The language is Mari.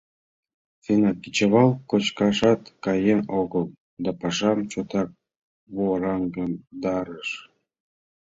Чынак, кечывал кочкашат каен огыл да пашам чотак вораҥдарыш.